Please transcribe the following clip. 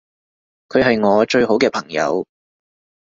佢係我最好嘅朋友